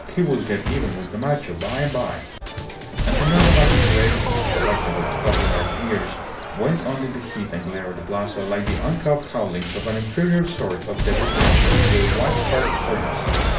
He would get even with Gamacho by and by. And Senor Gamacho's oration, delectable to popular ears, went on in the heat and glare of the Plaza like the uncouth howlings of an inferior sort of devil cast into a white hot furnace.